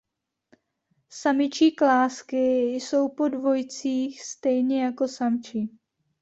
Samičí klásky jsou po dvojicích stejně jako samčí.